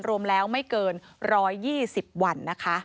รวมแล้วไม่เกิน๑๒๐วันนะคะ